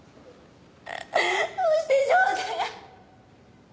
どうして翔太が！